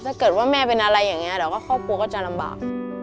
ถ้าเกิดว่าแม่เป็นอะไรอย่างนี้เดี๋ยวก็ครอบครัวก็จะลำบาก